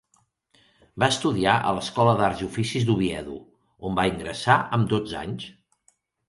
Va estudiar a l'Escola d'Arts i Oficis d'Oviedo, on va ingressar amb dotze anys.